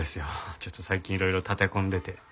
ちょっと最近いろいろ立て込んでて。